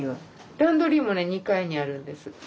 ランドリーも２階にあるんです。